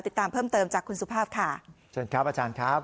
ติดตามเพิ่มเติมจากคุณสุภาพค่ะเชิญครับอาจารย์ครับ